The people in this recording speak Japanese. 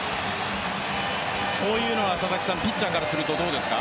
こういうのはピッチャーからするとどうですか？